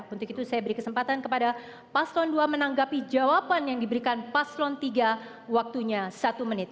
untuk itu saya beri kesempatan kepada paslon dua menanggapi jawaban yang diberikan paslon tiga waktunya satu menit